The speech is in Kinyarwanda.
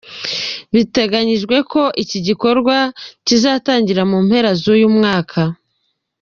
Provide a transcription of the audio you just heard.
Biteganyijwe ko iki gikorwa kizatangira mu mpera z’uyu mwaka.